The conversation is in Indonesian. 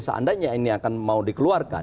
seandainya ini akan mau dikeluarkan